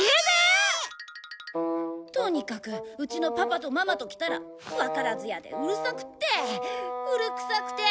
とにかくうちのパパとママときたらわからずやでうるさくって古くさくて。